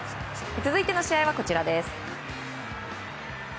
続いての試合はこちらです。